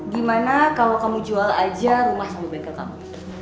gimana kalau kamu jual aja rumah sama bengkel kamu